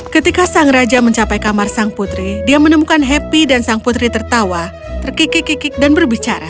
ketika sang raja mencapai kamar sang putri dia menemukan happy dan sang putri tertawa terkiki kikik dan berbicara